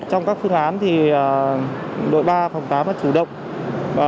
trong các phương án thì đội ba phòng tám đã chủ động